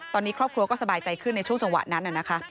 ตอนนี้ครอบครัวก็สบายใจขึ้นในช่วงจังหวะนั้นนะคะ